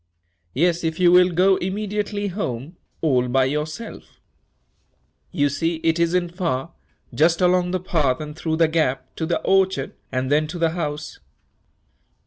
"Yes, if you will go immediately home all by yourself. You see it isn't far just along the path and through the gap, to the orchard, and then to the house."